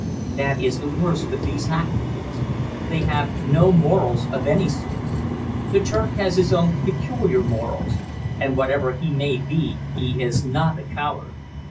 That is the worst of these half breeds; they have no morals of any sort. The Turk has his own peculiar morals, and whatever he may be he is not a coward.